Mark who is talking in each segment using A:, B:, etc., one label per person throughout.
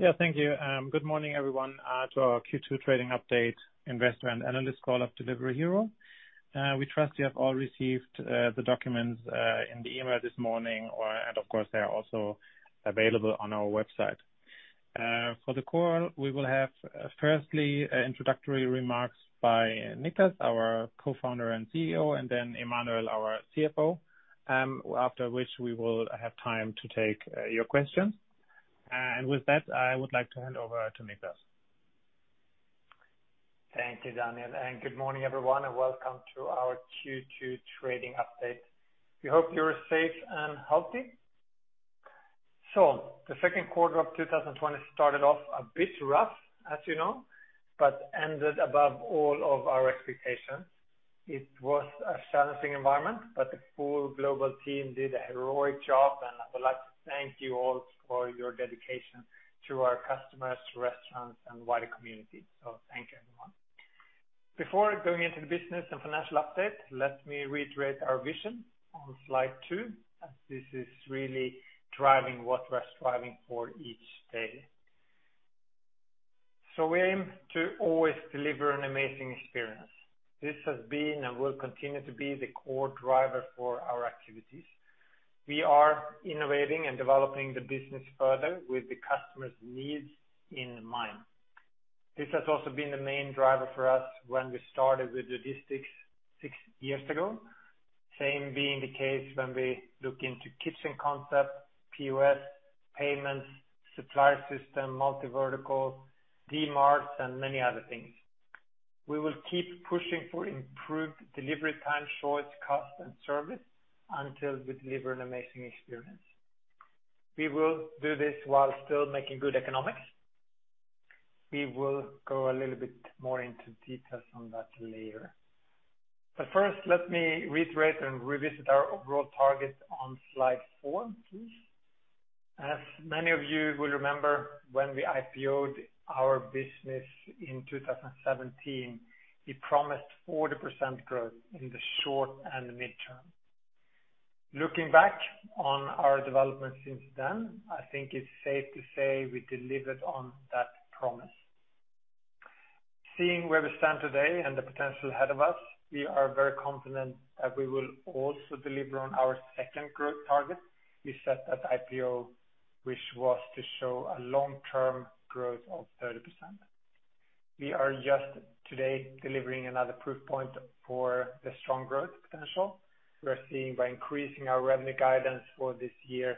A: Yeah, thank you. Good morning, everyone, to our Q2 trading update investor and analyst call of Delivery Hero. We trust you have all received the documents in the email this morning, and of course, they are also available on our website. For the call, we will have firstly introductory remarks by Niklas, our Co-Founder and CEO, and then Emmanuel, our CFO, after which we will have time to take your questions. With that, I would like to hand over to Niklas.
B: Thank you, Daniel. Good morning, everyone, and welcome to our Q2 trading update. We hope you are safe and healthy. The second quarter of 2020 started off a bit rough, as you know, ended above all of our expectations. It was a challenging environment, the full global team did a heroic job, I would like to thank you all for your dedication to our customers, restaurants, and wider community. Thank you, everyone. Before going into the business and financial update, let me reiterate our vision on slide two, as this is really driving what we're striving for each day. We aim to always deliver an amazing experience. This has been and will continue to be the core driver for our activities. We are innovating and developing the business further with the customer's needs in mind. This has also been the main driver for us when we started with logistics six years ago, same being the case when we look into kitchen concept, POS, payments, supply system, multi-vertical, Dmarts, and many other things. We will keep pushing for improved delivery time, choice, cost, and service until we deliver an amazing experience. We will do this while still making good economics. We will go a little bit more into details on that later. First, let me reiterate and revisit our overall target on slide four, please. As many of you will remember, when we IPO'd our business in 2017, we promised 40% growth in the short and midterm. Looking back on our development since then, I think it's safe to say we delivered on that promise. Seeing where we stand today and the potential ahead of us, we are very confident that we will also deliver on our second growth target we set at IPO, which was to show a long-term growth of 30%. We are just today delivering another proof point for the strong growth potential we're seeing by increasing our revenue guidance for this year,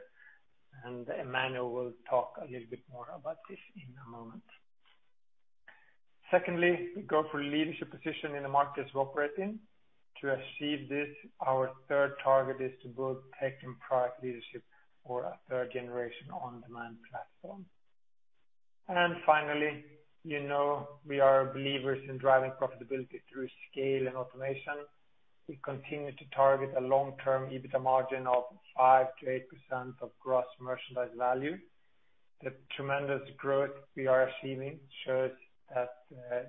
B: Emmanuel will talk a little bit more about this in a moment. Secondly, we go for a leadership position in the markets we operate in. To achieve this, our third target is to build tech and product leadership for a third-generation on-demand platform. Finally, you know we are believers in driving profitability through scale and automation. We continue to target a long-term EBITDA margin of 5%-8% of gross merchandise value. The tremendous growth we are achieving shows that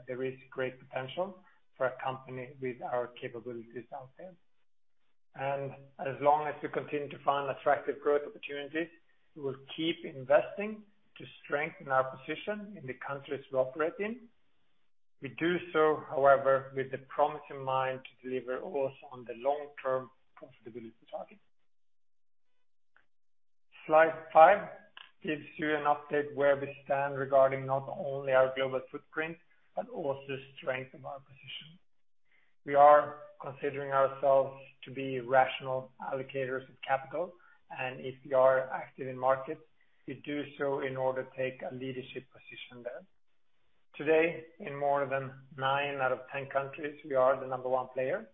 B: there is great potential for a company with our capabilities out there. As long as we continue to find attractive growth opportunities, we will keep investing to strengthen our position in the countries we operate in. We do so, however, with the promise in mind to deliver also on the long-term profitability target. Slide five gives you an update where we stand regarding not only our global footprint, but also the strength of our position. We are considering ourselves to be rational allocators of capital, and if we are active in markets, we do so in order to take a leadership position there. Today, in more than nine out of 10 countries, we are the number one player,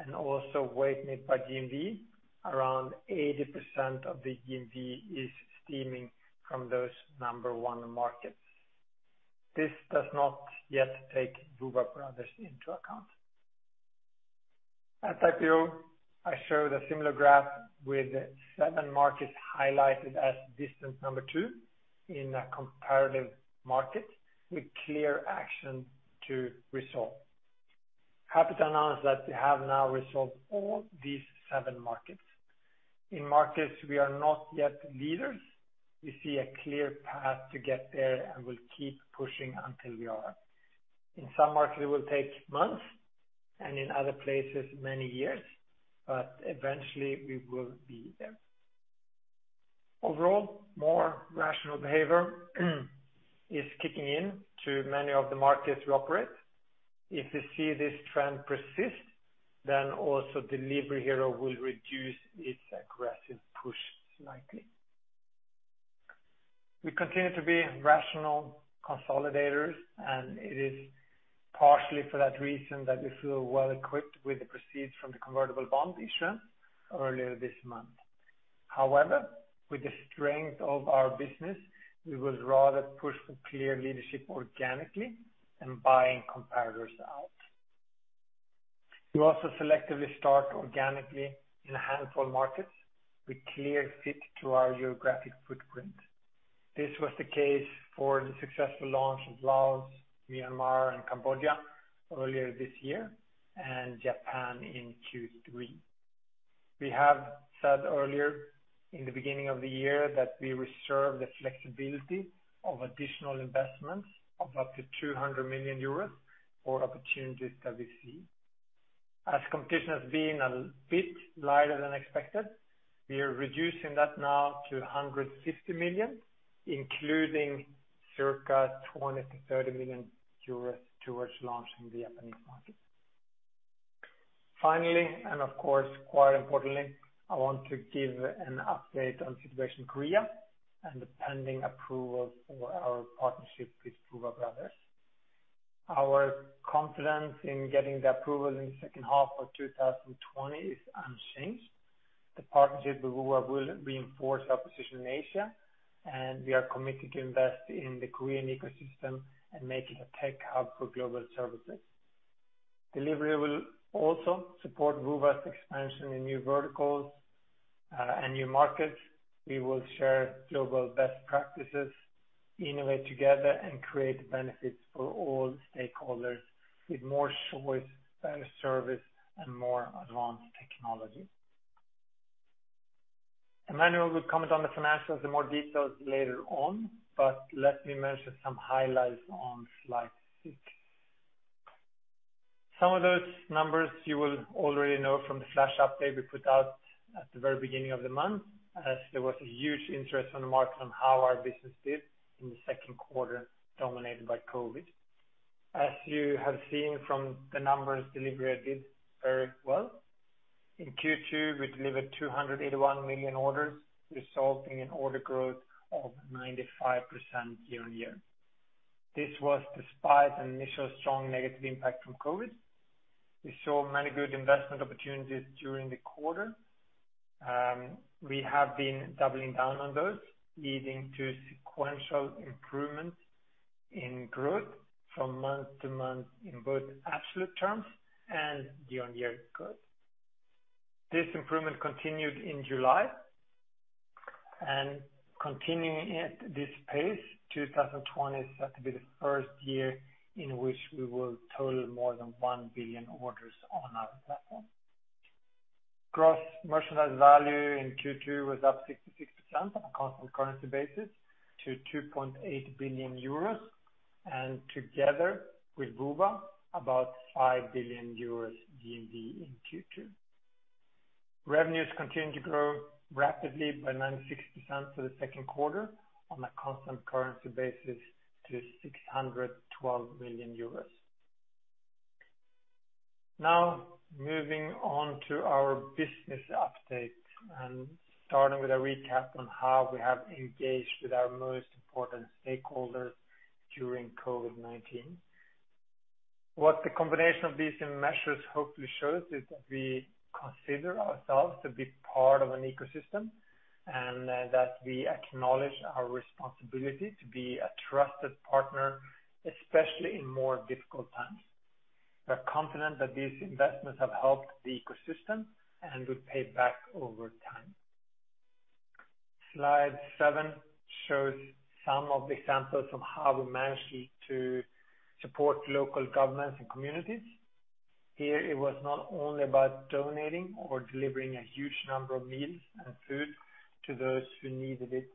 B: and also weighted by GMV, around 80% of the GMV is steaming from those number one markets. This does not yet take Woowa Brothers into account. At IPO, I showed a similar graph with seven markets highlighted as distant number two in comparative markets with clear action to resolve. Happy to announce that we have now resolved all these seven markets. In markets we are not yet leaders, we see a clear path to get there and will keep pushing until we are. In some markets, it will take months, and in other places, many years, but eventually we will be there. Overall, more rational behavior is kicking in to many of the markets we operate. If we see this trend persist, then also Delivery Hero will reduce its aggressive push slightly. We continue to be rational consolidators, and it is partially for that reason that we feel well equipped with the proceeds from the convertible bond issuance earlier this month. With the strength of our business, we would rather push for clear leadership organically than buying competitors out. We also selectively start organically in a handful of markets with clear fit to our geographic footprint. This was the case for the successful launch of Laos, Myanmar, and Cambodia earlier this year and Japan in Q3. We have said earlier in the beginning of the year that we reserve the flexibility of additional investments of up to 200 million euros for opportunities that we see. Competition has been a bit lighter than expected, we are reducing that now to 150 million, including circa 20 million euros to 30 million euros towards launching the Japanese market. Of course, quite importantly, I want to give an update on the situation in Korea and the pending approval for our partnership with Woowa Brothers. Our confidence in getting the approval in the second half of 2020 is unchanged. The partnership with Woowa will reinforce our position in Asia. We are committed to invest in the Korean ecosystem and make it a tech hub for global services. Delivery will also support Woowa's expansion in new verticals, and new markets. We will share global best practices, innovate together, and create benefits for all stakeholders with more choice, better service, and more advanced technology. Emmanuel will comment on the financials in more details later on. Let me mention some highlights on slide six. Some of those numbers you will already know from the flash update we put out at the very beginning of the month, as there was a huge interest on the market on how our business did in the second quarter dominated by COVID. As you have seen from the numbers, Delivery Hero did very well. In Q2, we delivered 281 million orders, resulting in order growth of 95% year-on-year. This was despite an initial strong negative impact from COVID. We saw many good investment opportunities during the quarter. We have been doubling down on those, leading to sequential improvements in growth from month to month in both absolute terms and year-on-year growth. This improvement continued in July. Continuing at this pace, 2020 is set to be the first year in which we will total more than one billion orders on our platform. Gross merchandise value in Q2 was up 66% on a constant currency basis to 2.8 billion euros, and together with Woowa, about 5 billion euros GMV in Q2. Revenues continued to grow rapidly by 96% for the second quarter on a constant currency basis to 612 million euros. Now moving on to our business update and starting with a recap on how we have engaged with our most important stakeholders during COVID-19. What the combination of these measures hopefully shows is that we consider ourselves to be part of an ecosystem and that we acknowledge our responsibility to be a trusted partner, especially in more difficult times. We're confident that these investments have helped the ecosystem and will pay back over time. Slide seven shows some of the examples of how we managed to support local governments and communities. Here, it was not only about donating or delivering a huge number of meals and food to those who needed it,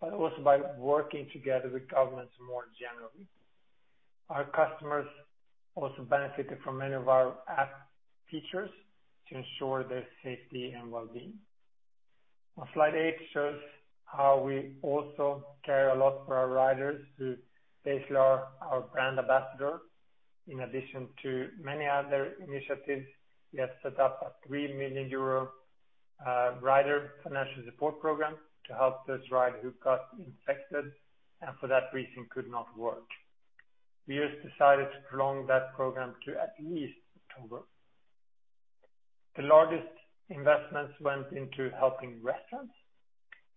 B: but also by working together with governments more generally. Our customers also benefited from many of our app features to ensure their safety and well-being. On slide eight shows how we also care a lot for our riders who basically are our brand ambassadors. In addition to many other initiatives, we have set up a 3 million euro rider financial support program to help those riders who got infected and for that reason could not work. We just decided to prolong that program to at least October. The largest investments went into helping restaurants.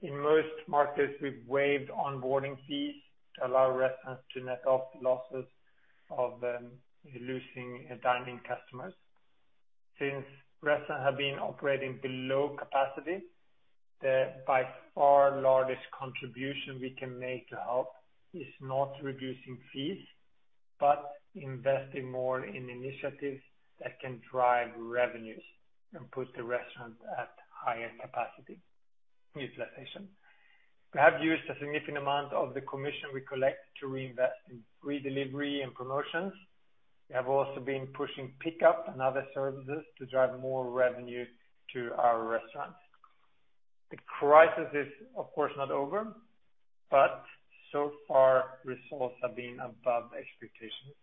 B: In most markets, we've waived onboarding fees to allow restaurants to net off the losses of them losing dining customers. Since restaurants have been operating below capacity, the by far largest contribution we can make to help is not reducing fees, but investing more in initiatives that can drive revenues and put the restaurant at higher capacity utilization. We have used a significant amount of the commission we collect to reinvest in free delivery and promotions. We have also been pushing pickup and other services to drive more revenue to our restaurants. The crisis is, of course, not over, but so far results have been above expectations.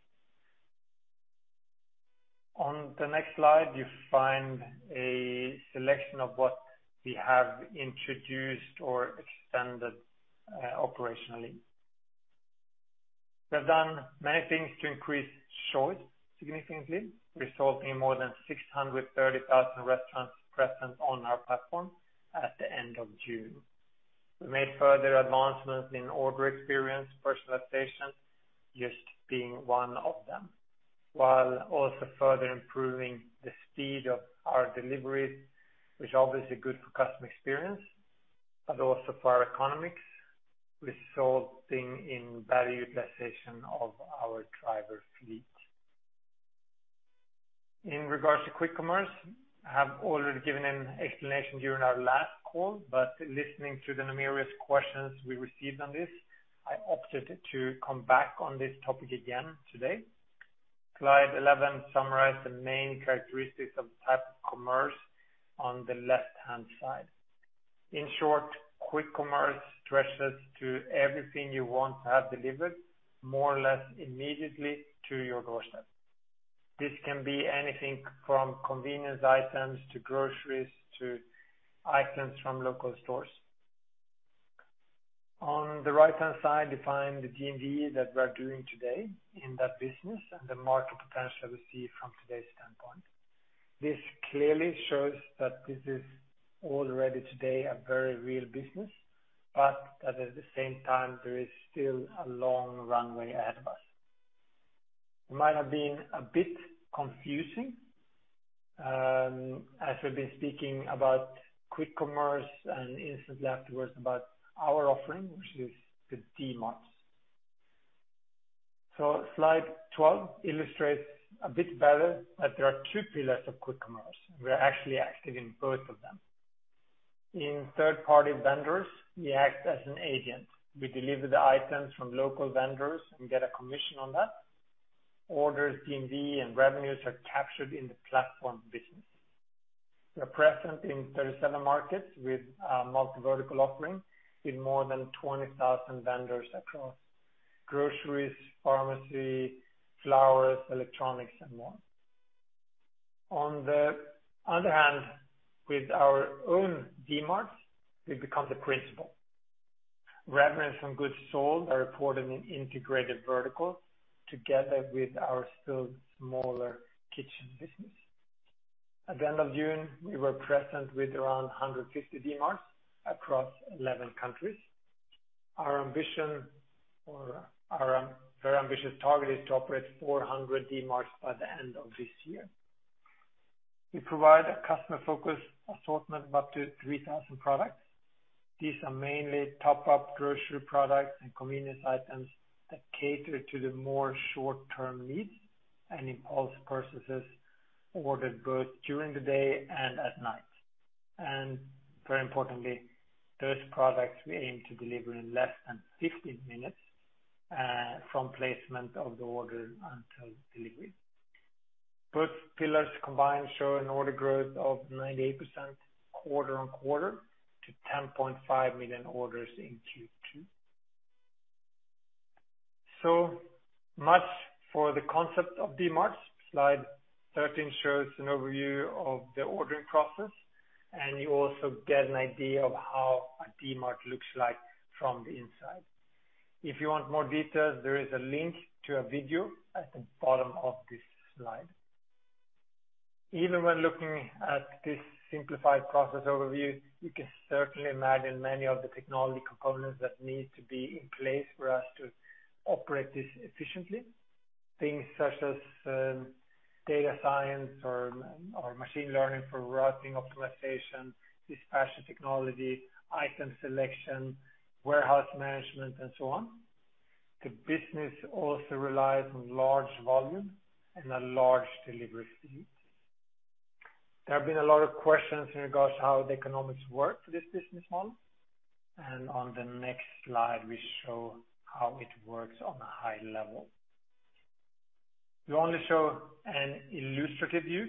B: On the next slide, you find a selection of what we have introduced or extended operationally. We have done many things to increase choice significantly, resulting in more than 630,000 restaurants present on our platform at the end of June. We made further advancements in order experience personalization, just being one of them, while also further improving the speed of our deliveries, which is obviously good for customer experience. Also for our economics, resulting in better utilization of our driver fleet. In regards to quick commerce, I have already given an explanation during our last call. Listening to the numerous questions we received on this, I opted to come back on this topic again today. Slide 11 summarizes the main characteristics of type of commerce on the left-hand side. In short, quick commerce stretches to everything you want to have delivered more or less immediately to your doorstep. This can be anything from convenience items to groceries, to items from local stores. On the right-hand side, you find the GMV that we are doing today in that business and the market potential we see from today's standpoint. This clearly shows that this is already today a very real business, but at the same time, there is still a long runway ahead of us. It might have been a bit confusing, as we've been speaking about quick commerce and instantly afterwards about our offering, which is the Dmarts. Slide 12 illustrates a bit better that there are two pillars of quick commerce. We are actually active in both of them. In third-party vendors, we act as an agent. We deliver the items from local vendors and get a commission on that. Orders GMV and revenues are captured in the platform business. We are present in 37 markets with a multi-vertical offering with more than 20,000 vendors across groceries, pharmacy, flowers, electronics, and more. On the other hand, with our own Dmarts, we become the principal. Revenues from goods sold are reported in Integrated Verticals together with our still smaller kitchen business. At the end of June, we were present with around 150 Dmarts across 11 countries. Our ambition or our very ambitious target is to operate 400 Dmarts by the end of this year. We provide a customer-focused assortment of up to 3,000 products. These are mainly top-up grocery products and convenience items that cater to the more short-term needs and impulse purchases ordered both during the day and at night. Very importantly, those products we aim to deliver in less than 15 minutes, from placement of the order until delivery. Both pillars combined show an order growth of 98% quarter-on-quarter to 10.5 million orders in Q2. Much for the concept of Dmarts. Slide 13 shows an overview of the ordering process, and you also get an idea of how a Dmart looks like from the inside. If you want more details, there is a link to a video at the bottom of this slide. Even when looking at this simplified process overview, you can certainly imagine many of the technology components that need to be in place for us to operate this efficiently. Things such as data science or machine learning for routing optimization, dispatch technology, item selection, warehouse management, and so on. The business also relies on large volume and a large delivery fleet. There have been a lot of questions in regards how the economics work for this business model, and on the next slide we show how it works on a high level. We only show an illustrative view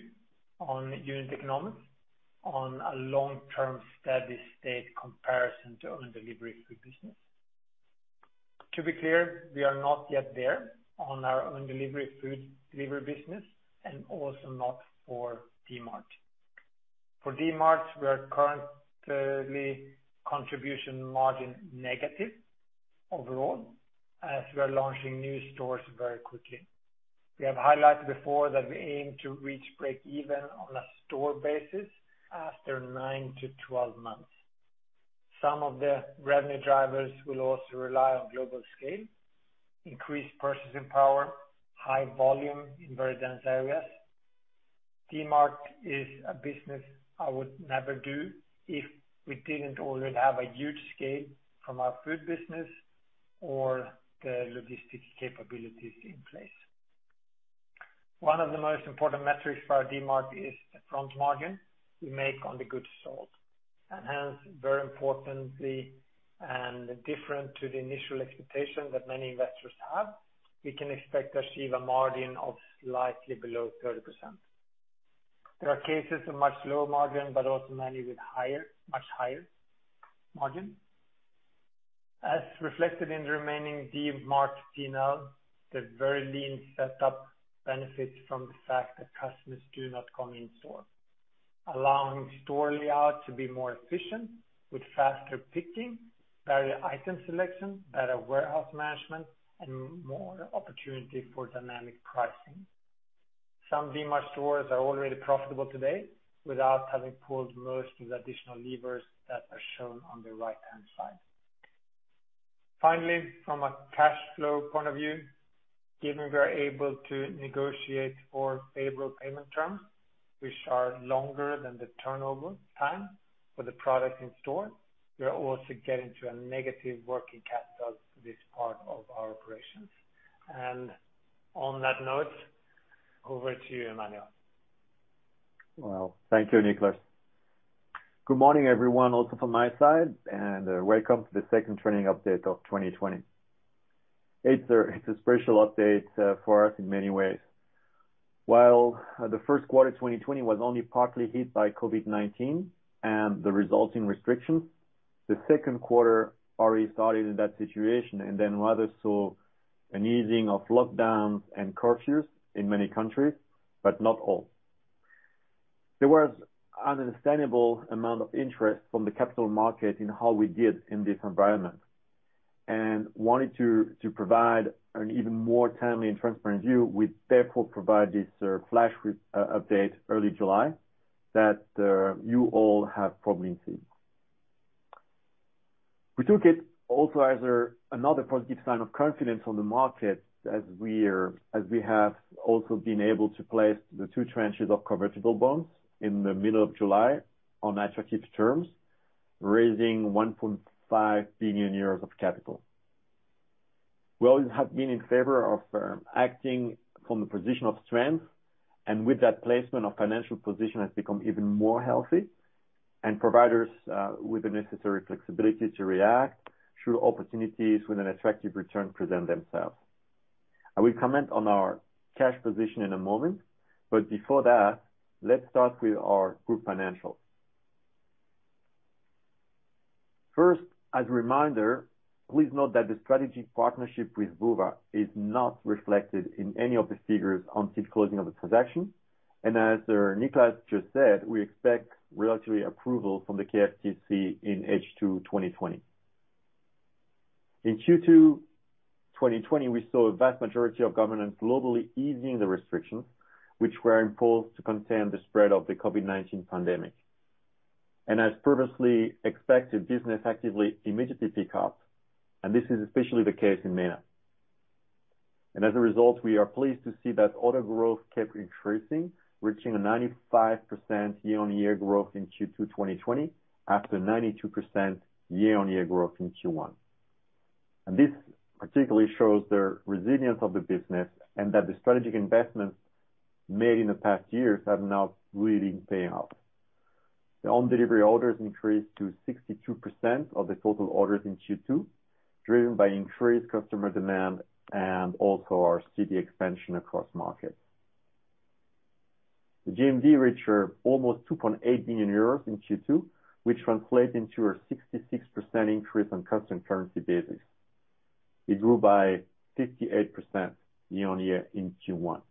B: on unit economics on a long-term steady state comparison to own delivery food business. To be clear, we are not yet there on our own delivery food delivery business, and also not for Dmart. For Dmarts, we are currently contribution margin negative overall as we are launching new stores very quickly. We have highlighted before that we aim to reach break even on a store basis after 9-12 months. Some of the revenue drivers will also rely on global scale, increased purchasing power, high volume in very dense areas. Dmart is a business I would never do if we didn't already have a huge scale from our food business or the logistic capabilities in place. One of the most important metrics for our Dmart is the gross margin we make on the goods sold. Hence, very importantly, and different to the initial expectation that many investors have, we can expect to achieve a margin of slightly below 30%. There are cases of much lower margin, also many with much higher margin. As reflected in the remaining Dmart P&L, the very lean setup benefits from the fact that customers do not come in store, allowing store layout to be more efficient with faster picking, better item selection, better warehouse management, and more opportunity for dynamic pricing. Some Dmart stores are already profitable today without having pulled most of the additional levers that are shown on the right-hand side. Finally, from a cash flow point of view, given we are able to negotiate more favorable payment terms, which are longer than the turnover time for the product in store, we are also getting to a negative working capital through this part of our operations. On that note, over to you, Emmanuel.
C: Well, thank you, Niklas. Good morning everyone also from my side, and welcome to the second trading update of 2020. It's a special update for us in many ways. While the first quarter 2020 was only partly hit by COVID-19 and the resulting restrictions, the second quarter already started in that situation and then rather saw an easing of lockdowns and curfews in many countries, but not all. There was an understandable amount of interest from the capital market in how we did in this environment, and wanting to provide an even more timely and transparent view, we therefore provide this flash update early July that you all have probably seen. We took it also as another positive sign of confidence on the market as we have also been able to place the two tranches of convertible bonds in the middle of July on attractive terms, raising 1.5 billion euros of capital. We always have been in favor of acting from a position of strength, and with that placement, our financial position has become even more healthy and provides us with the necessary flexibility to react through opportunities when an attractive return present themselves. I will comment on our cash position in a moment, but before that, let's start with our group financials. First, as a reminder, please note that the strategic partnership with Woowa is not reflected in any of the figures until closing of the transaction. As Niklas just said, we expect regulatory approval from the KFTC in H2 2020. In Q2 2020, we saw a vast majority of governments globally easing the restrictions which were imposed to contain the spread of the COVID-19 pandemic. As previously expected, business activity immediately picked up, and this is especially the case in MENA. As a result, we are pleased to see that order growth kept increasing, reaching a 95% year-on-year growth in Q2 2020 after 92% year-on-year growth in Q1. This particularly shows the resilience of the business and that the strategic investments made in the past years have now really been paying off. The own delivery orders increased to 62% of the total orders in Q2, driven by increased customer demand and also our OD expansion across markets. The GMV reached almost 2.8 billion euros in Q2, which translates into a 66% increase on constant currency basis. It grew by 58% year-on-year in Q1.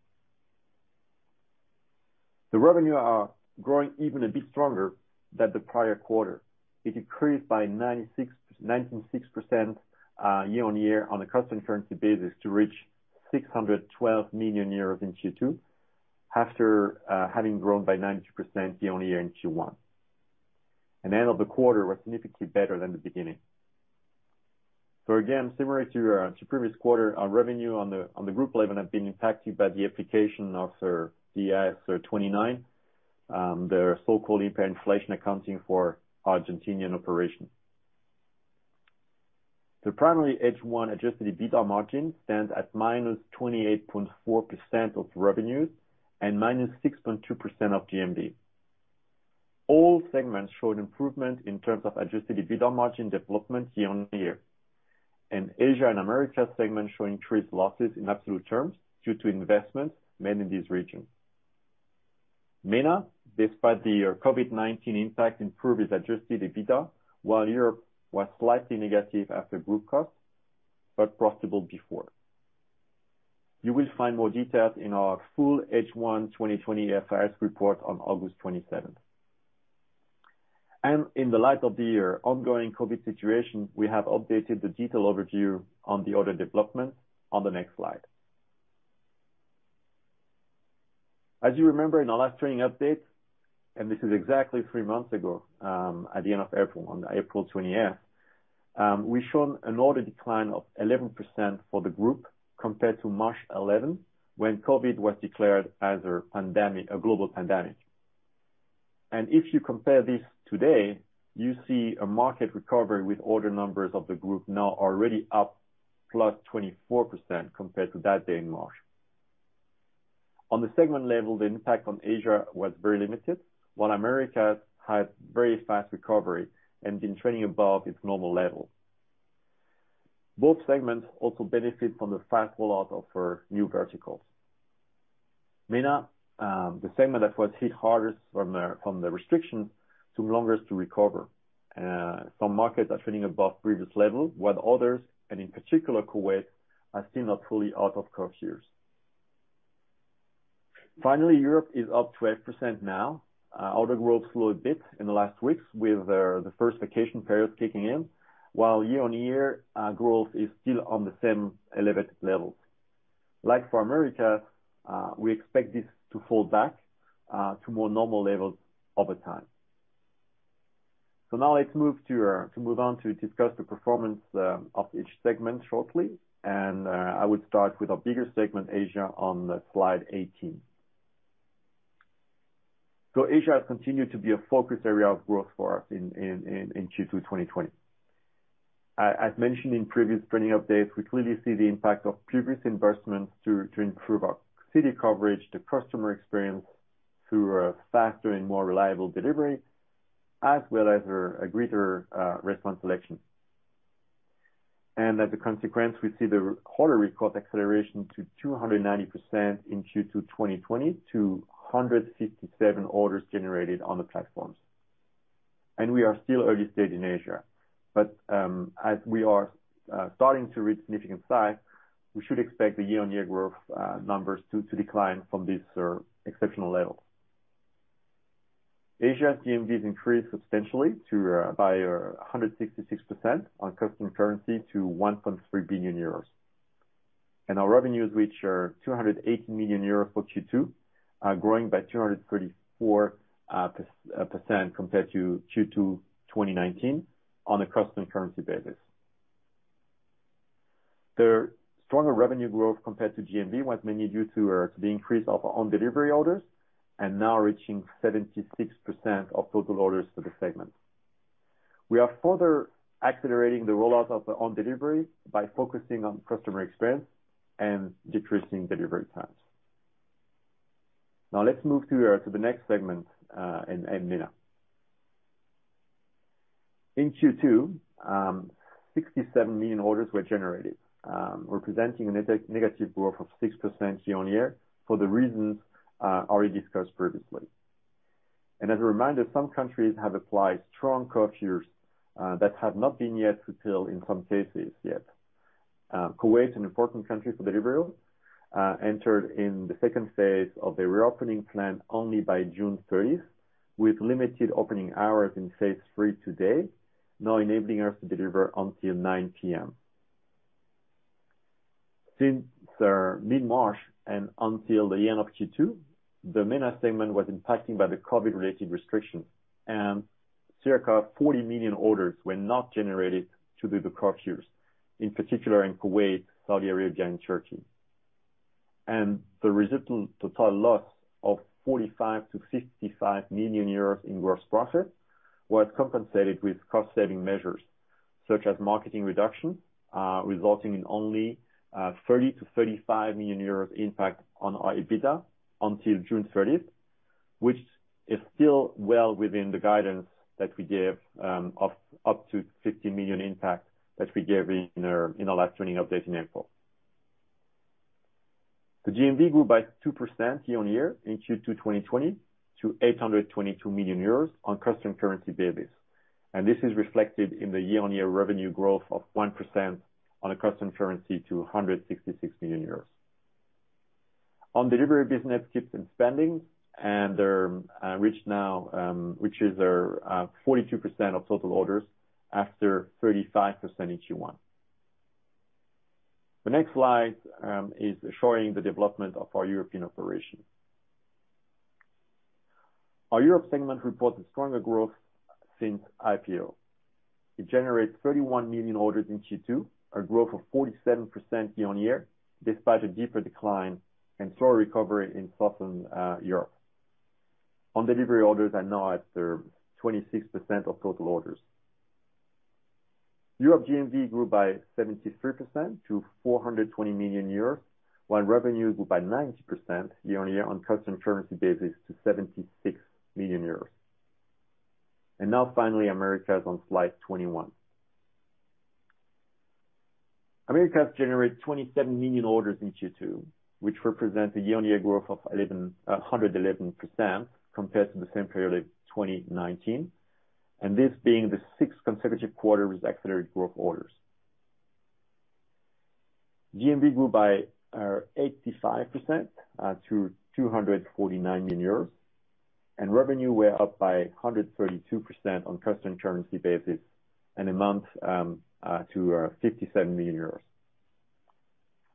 C: The revenue are growing even a bit stronger than the prior quarter. It increased by 96% year-on-year on a constant currency basis to reach 612 million euros in Q2 after having grown by 92% year-on-year in Q1. The end of the quarter was significantly better than the beginning. Again, similar to our two previous quarters, our revenue on the group level have been impacted by the application of the IAS 29, the so-called hyperinflation accounting for Argentinian operations. The primary H1 adjusted EBITDA margin stands at -28.4% of revenues and -6.2% of GMV. All segments showed improvement in terms of adjusted EBITDA margin development year-on-year, and Asia and America segment show increased losses in absolute terms due to investments made in this region. MENA, despite the COVID-19 impact, improved its adjusted EBITDA, while Europe was slightly negative after group costs, but profitable before. You will find more details in our full H1 2020 IFRS report on August 27th. In the light of the ongoing COVID situation, we have updated the detailed overview on the order development on the next slide. As you remember in our last trading update, and this is exactly three months ago, at the end of April, on April 20th, we've shown an order decline of 11% for the group compared to March 11, when COVID was declared as a global pandemic. If you compare this today, you see a market recovery with order numbers of the group now already up +24% compared to that day in March. On the segment level, the impact on Asia was very limited, while Americas had very fast recovery and been trading above its normal level. Both segments also benefit from the fast rollout of our new verticals. MENA, the segment that was hit hardest from the restrictions, took longest to recover. Some markets are trading above previous levels, while others, and in particular Kuwait, are still not fully out of curfews. Europe is up 12% now. Order growth slowed a bit in the last weeks with the first vacation period kicking in, while year-on-year growth is still on the same elevated levels. Like for America, we expect this to fall back to more normal levels over time. Now let's move on to discuss the performance of each segment shortly, and I would start with our bigger segment, Asia, on slide 18. Asia has continued to be a focus area of growth for us in Q2 2020. As mentioned in previous trending updates, we clearly see the impact of previous investments to improve our city coverage, the customer experience through faster and more reliable delivery, as well as a greater restaurant selection. As a consequence, we see the order record acceleration to 290% in Q2 2020 to 157 orders generated on the platforms. We are still early stage in Asia, but as we are starting to reach significant size, we should expect the year-on-year growth numbers to decline from these exceptional levels. Asia's GMVs increased substantially by 166% on constant currency to 1.3 billion euros. Our revenues, which are 218 million euros for Q2, growing by 234% compared to Q2 2019 on a constant currency basis. The stronger revenue growth compared to GMV was mainly due to the increase of our own delivery orders and now reaching 76% of total orders for the segment. We are further accelerating the rollout of our own delivery by focusing on customer experience and decreasing delivery times. Now let's move to the next segment, in MENA. In Q2, 67 million orders were generated, representing a negative growth of 6% year-on-year for the reasons already discussed previously. As a reminder, some countries have applied strong curfews that have not been yet fulfilled in some cases yet. Kuwait, an important country for Delivery Hero, entered in the second phase of the reopening plan only by June 30th with limited opening hours in phase III today, now enabling us to deliver until 9:00 P.M. Since mid-March and until the end of Q2, the MENA segment was impacted by the COVID-related restrictions and circa 40 million orders were not generated due to the curfews, in particular in Kuwait, Saudi Arabia, and Turkey. The resultant total loss of 45 million-55 million euros in gross profit was compensated with cost-saving measures such as marketing reduction, resulting in only 30 million-35 million euros impact on our EBITDA until June 30th, which is still well within the guidance that we gave of up to 50 million impact that we gave in our last earnings update in April. The GMV grew by 2% year-on-year in Q2 2020 to 822 million euros on constant currency basis, and this is reflected in the year-on-year revenue growth of 1% on a constant currency to 166 million euros. Own delivery business keeps expanding and reached now 42% of total orders after 35% in Q1. The next slide is showing the development of our European operations. Our Europe Segment reported stronger growth since IPO. It generates 31 million orders in Q2, a growth of 47% year-on-year, despite a deeper decline and slower recovery in Southern Europe. Own delivery orders are now at 26% of total orders. Europe GMV grew by 73% to 420 million euros, while revenues grew by 90% year-on-year on constant currency basis to 76 million euros. Now finally, Americas on slide 21. Americas generated 27 million orders in Q2, which represents a year-on-year growth of 111% compared to the same period of 2019, this being the sixth consecutive quarter with accelerated growth orders. GMV grew by 85% to 249 million euros. Revenue were up by 132% on constant currency basis in amount to 57 million euros.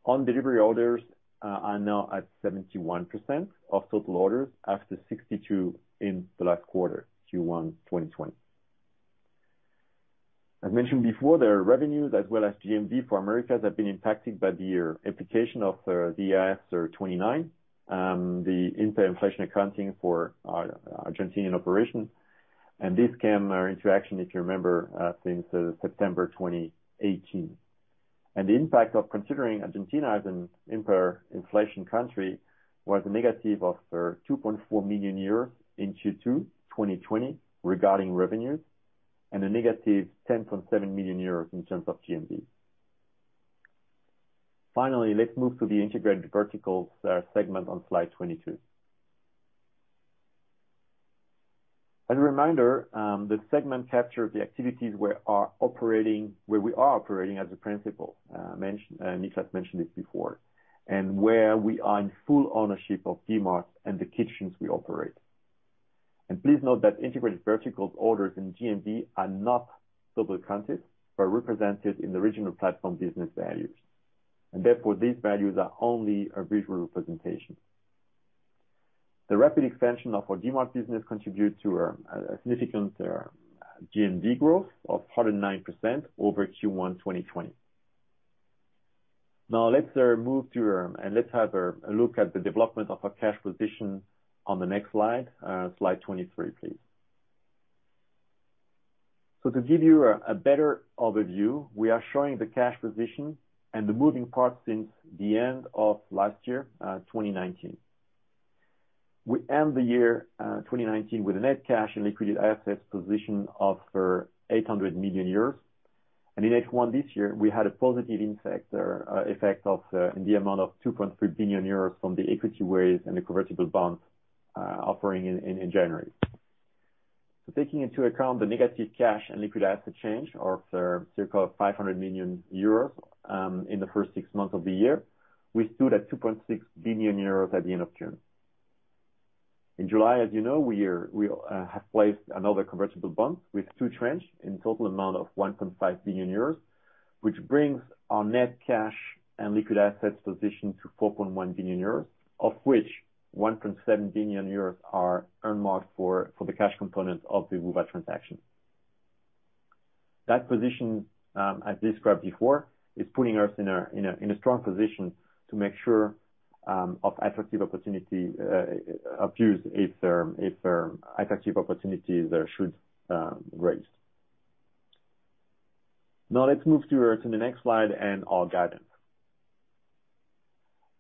C: Own delivery orders are now at 71% of total orders after 62 in the last quarter, Q1 2020. As mentioned before, their revenues as well as GMV for Americas have been impacted by the application of the IAS 29, the hyperinflation accounting for our Argentinian operations. This came into action, if you remember, since September 2018. The impact of considering Argentina as an hyperinflation country was a negative of 2.4 million euros in Q2 2020 regarding revenues, and a negative 10.7 million euros in terms of GMV. Finally, let's move to the Integrated Verticals segment on slide 22. As a reminder, the segment captures the activities where we are operating as a principal. Niklas mentioned this before, and where we are in full ownership of Dmarts and the kitchens we operate. Please note that Integrated Verticals orders in GMV are not double-counted, but represented in the regional platform business values. Therefore, these values are only a visual representation. The rapid expansion of our Dmart business contribute to a significant GMV growth of 109% over Q1 2020. Let's have a look at the development of our cash position on the next slide 23, please. To give you a better overview, we are showing the cash position and the moving parts since the end of last year, 2019. We end the year 2019 with a net cash and liquid assets position of 800 million euros. In H1 this year, we had a positive effect in the amount of 2.3 billion euros from the equity raise and the convertible bonds offering in January. Taking into account the negative cash and liquid asset change of circa 500 million euros in the first six months of the year, we stood at 2.6 billion euros at the end of June. In July, as you know, we have placed another convertible bond with two tranche in total amount of 1.5 billion euros, which brings our net cash and liquid assets position to 4.1 billion euros, of which 1.7 billion euros are earmarked for the cash component of the Woowa transaction. That position, as described before, is putting us in a strong position to make sure of attractive opportunity used if attractive opportunities should arise. Now let's move to the next slide and our guidance.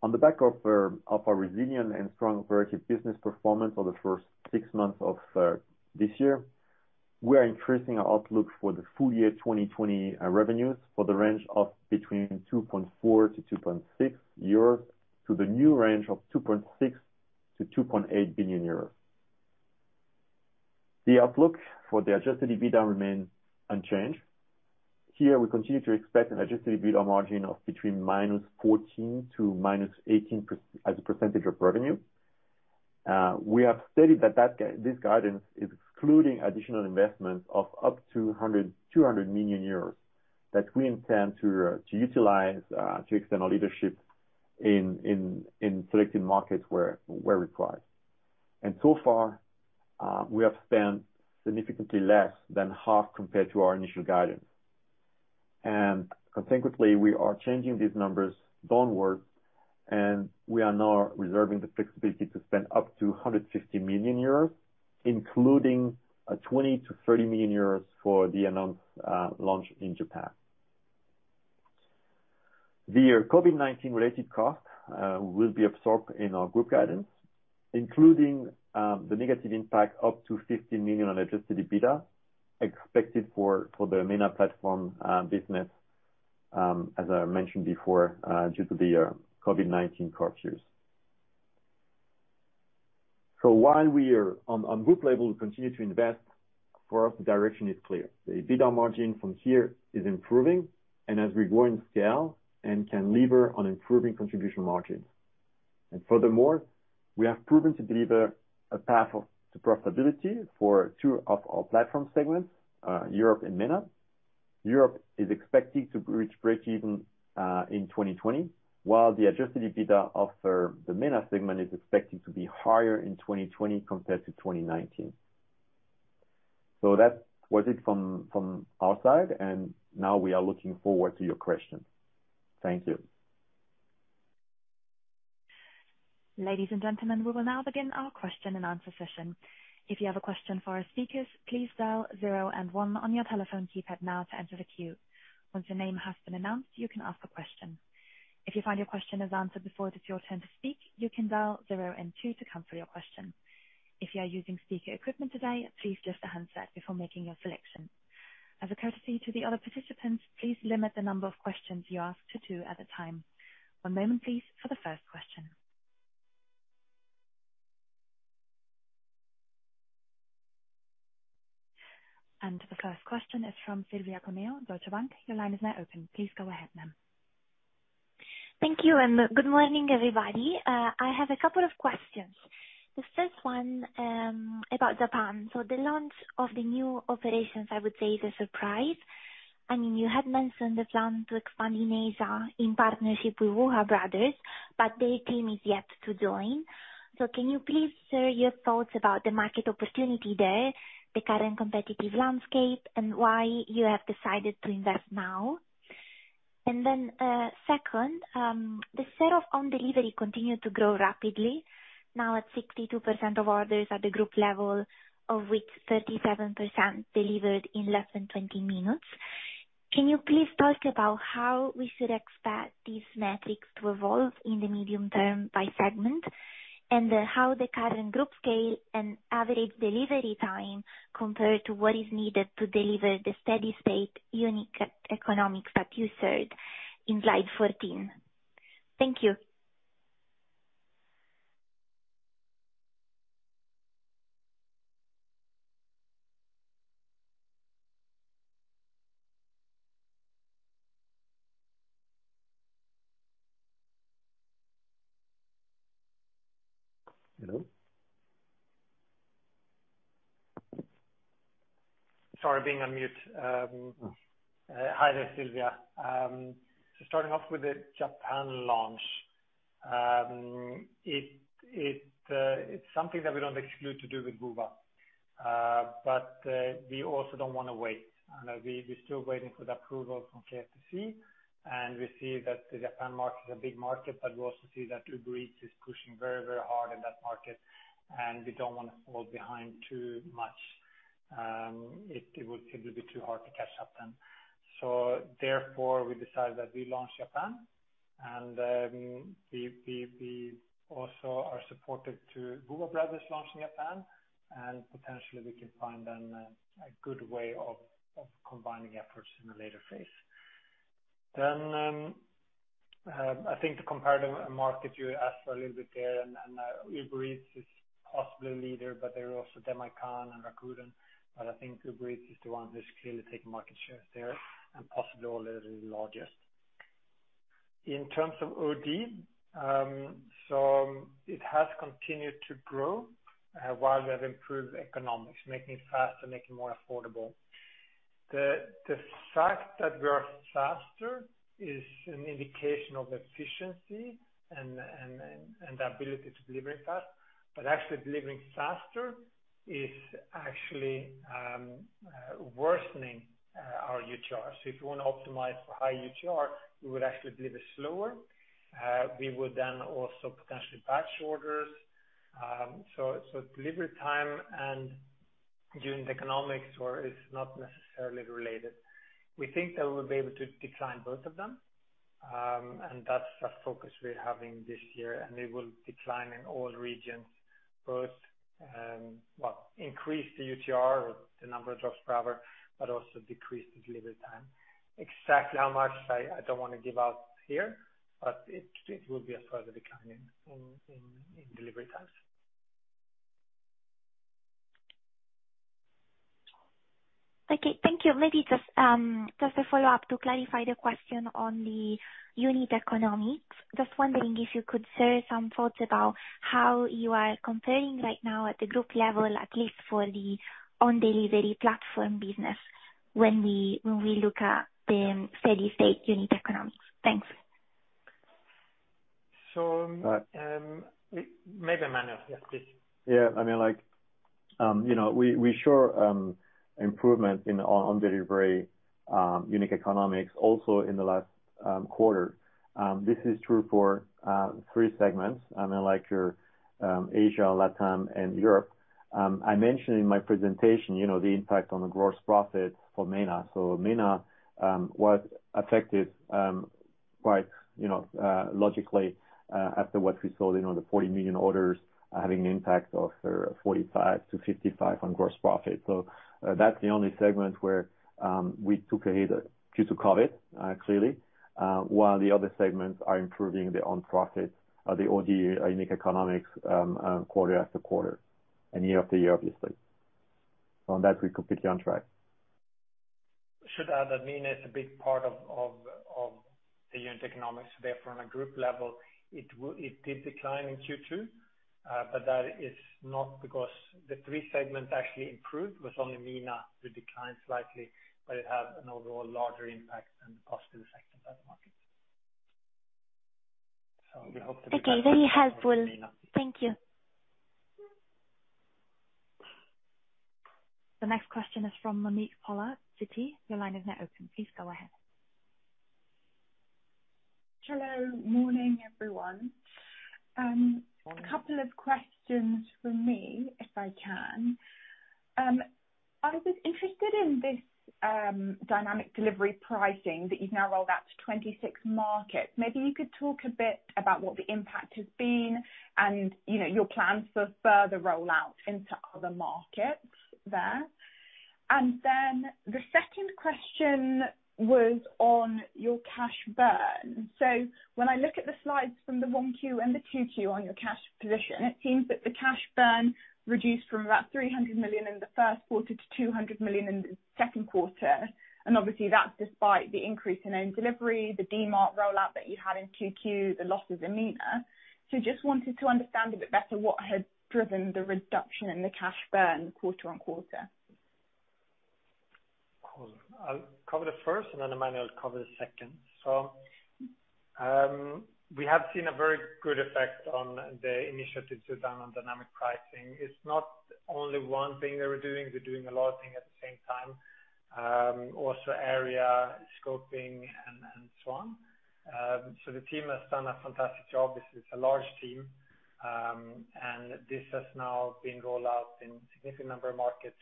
C: On the back of our resilient and strong operative business performance for the first six months of this year, we are increasing our outlook for the full year 2020 revenues for the range of between 2.4 billion-2.6 billion euros to the new range of 2.6 billion-2.8 billion euros. The outlook for the adjusted EBITDA remains unchanged. Here we continue to expect an adjusted EBITDA margin of between -14% to -18% as a percentage of revenue. We have stated that this guidance is excluding additional investments of up to 200 million euros that we intend to utilize to extend our leadership in selected markets where required. So far, we have spent significantly less than half compared to our initial guidance. Consequently, we are changing these numbers downwards, and we are now reserving the flexibility to spend up to 150 million euros, including 20 million-30 million euros for the announced launch in Japan. The COVID-19 related cost will be absorbed in our group guidance, including the negative impact up to 15 million on adjusted EBITDA, expected for the MENA platform business, as I mentioned before, due to the COVID-19 curfews. While we are on group level, we continue to invest, for us, the direction is clear. The EBITDA margin from here is improving, as we grow in scale and can lever on improving contribution margins. Furthermore, we have proven to deliver a path of profitability for two of our platform segments, Europe and MENA. Europe is expected to reach breakeven in 2020, while the adjusted EBITDA of the MENA segment is expected to be higher in 2020 compared to 2019. That was it from our side, and now we are looking forward to your questions. Thank you.
D: Ladies and gentlemen, we will now begin our question and answer session. If you have a question for our speakers, please dial zero and one on your telephone keypad now to enter the queue. Once your name has been announced, you can ask a question. If you find your question is answered before it is your turn to speak, you can dial zero and two to cancel your question. If you are using speaker equipment today, please lift the handset before making your selection. As a courtesy to the other participants, please limit the number of questions you ask to two at a time. One moment please for the first question. The first question is from Silvia Cuneo, Deutsche Bank. Your line is now open. Please go ahead, ma'am.
E: Thank you, and good morning, everybody. I have a couple of questions. The first one, about Japan. The launch of the new operations, I would say is a surprise. I mean, you had mentioned the plan to expand in Asia in partnership with Woowa Brothers, but their team is yet to join. Can you please share your thoughts about the market opportunity there, the current competitive landscape, and why you have decided to invest now? Second, the share of own delivery continued to grow rapidly, now at 62% of orders at the group level, of which 37% delivered in less than 20 minutes. Can you please talk about how we should expect these metrics to evolve in the medium term by segment? How the current group scale and average delivery time compare to what is needed to deliver the steady state unique economics that you shared in slide 14. Thank you.
C: Hello?
B: Sorry, being on mute. Hi there, Silvia. Starting off with the Japan launch. It's something that we don't exclude to do with Woowa. We also don't want to wait. We're still waiting for the approval from KFTC, and we see that the Japan market is a big market, but we also see that Uber Eats is pushing very hard in that market, and we don't want to fall behind too much. It would be too hard to catch up then. Therefore, we decided that we launch Japan, and we also are supportive to Woowa Brothers launching in Japan, and potentially we can find then a good way of combining efforts in a later phase. I think the comparative market you asked for a little bit there, and Uber Eats is possibly a leader, but there are also Demae-can and Rakuten. I think Uber Eats is the one who's clearly taking market shares there and possibly already the largest. In terms of OD, so it has continued to grow, while we have improved economics, making it faster, making it more affordable. The fact that we are faster is an indication of efficiency and the ability to deliver it fast. Actually delivering faster is actually worsening our UTR. If you want to optimize for high UTR, we would actually deliver slower. We would also potentially batch orders. Delivery time and unit economics is not necessarily related. We think that we'll be able to decline both of them, and that's a focus we're having this year, and they will decline in all regions. Both, well, increase the UTR or the number of drops per hour, but also decrease the delivery time. Exactly how much, I don't want to give out here, but it will be a further decline in delivery times.
E: Okay, thank you. Maybe just a follow-up to clarify the question on the unit economics. Just wondering if you could share some thoughts about how you are comparing right now at the group level, at least for the own delivery platform business when we look at the steady-state unit economics. Thanks.
B: Maybe Emmanuel. Yes, please.
C: Yeah. We saw improvement in own delivery unit economics also in the last quarter. This is true for three segments. I mean, like your Asia, LatAm, and Europe. I mentioned in my presentation the impact on the gross profit for MENA. MENA was affected quite logically after what we saw, the 40 million orders having an impact of 45 million-55 million on gross profit. That's the only segment where we took a hit due to COVID, clearly, while the other segments are improving the on profit or the OD unit economics quarter-after-quarter and year-after-year, obviously. On that, we're completely on track.
B: Should add that MENA is a big part of the unit economics. On a group level, it did decline in Q2, but that is not because the three segments actually improved. It was only MENA who declined slightly, but it had an overall larger impact than the positive effect of other markets.
E: Okay. Very helpful. Thank you.
D: The next question is from Monique Pollard, Citi. Your line is now open. Please go ahead.
F: Hello. Morning, everyone. A couple of questions from me, if I can. I was interested in this dynamic delivery pricing that you've now rolled out to 26 markets. Maybe you could talk a bit about what the impact has been and your plans for further rollout into other markets there. The second question was on your cash burn. When I look at the slides from the 1Q and the 2Q on your cash position, it seems that the cash burn reduced from about 300 million in the first quarter to 200 million in the second quarter. Obviously, that's despite the increase in own delivery, the Dmart rollout that you had in 2Q, the losses in MENA. Just wanted to understand a bit better what had driven the reduction in the cash burn quarter-on-quarter.
B: Cool. I'll cover the first, and then Emmanuel will cover the second. We have seen a very good effect on the initiatives we've done on dynamic pricing. It's not only one thing that we're doing, we're doing a lot of things at the same time. Also area scoping and so on. The team has done a fantastic job. This is a large team, and this has now been rolled out in significant number of markets,